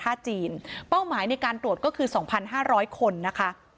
ท่าจีนเป้าหมายในการตรวจก็คือสองพันห้าร้อยคนนะคะ